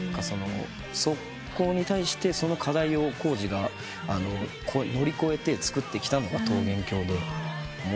そこに対してその課題を康司が乗り越えて作ってきたのが『ＴＯＧＥＮＫＹＯ』で。